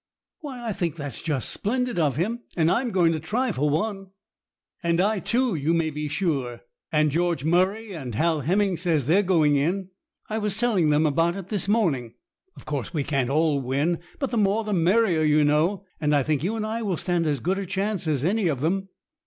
"Why, I think it's just splendid of him, and I'm going to try, for one." "And I, too, you may be sure. And George Murray and Hal Hemming say they're going in. I was telling them about it this morning. Of course we can't all win, but the more the merrier, you know, and I think you and I will stand as good a chance as any of them."